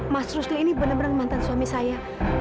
mas rusli ini benar benar mantan suami saya